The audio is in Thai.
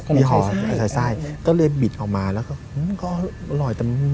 มีห่อใส่ไส้ก็เลยบิดออกมาแล้วก็อร่อยตำนึง